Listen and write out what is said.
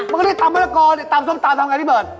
มันก็เรียกตำมะละกอตำส้มตำทำอย่างไรนี่เบิร์ด